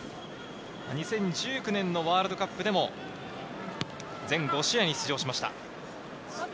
２０１９年のワールドカップでも、全５試合に出場しました。